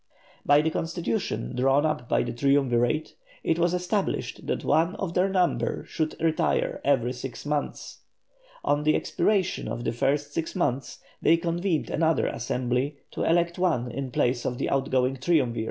By the constitution drawn up by the Triumvirate, it was established that one of their number should retire every six months. On the expiration of the first six months, they convened another Assembly to elect one in place of the outgoing Triumvir.